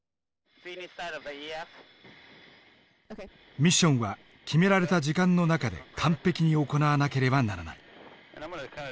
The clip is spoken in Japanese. ミッションは決められた時間の中で完璧に行わなければならない。